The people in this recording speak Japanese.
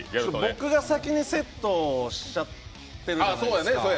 僕が先にセットしちゃってるじゃないですか。